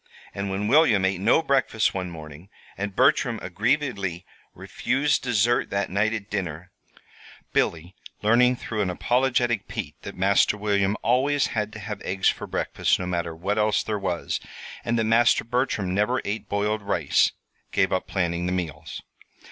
And when William ate no breakfast one morning, and Bertram aggrievedly refused dessert that night at dinner, Billy learning through an apologetic Pete that Master William always had to have eggs for breakfast no matter what else there was, and that Master Bertram never ate boiled rice gave up planning the meals.